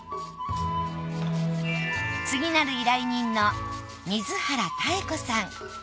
次なる依頼人の水原妙子さん。